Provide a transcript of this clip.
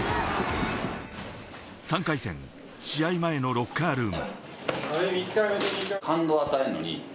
３回戦、試合前のロッカールーム。